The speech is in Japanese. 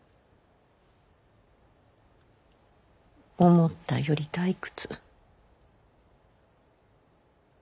思ったより退屈。